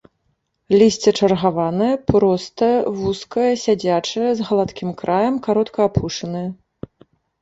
Лісце чаргаванае, простае, вузкае, сядзячае, з гладкім краем, каротка апушанае.